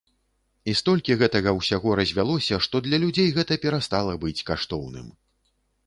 І столькі гэтага ўсяго развялося, што для людзей гэта перастала быць каштоўным.